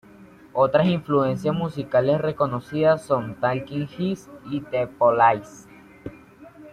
Otras influencias musicales reconocidas son Talking Heads y The Police.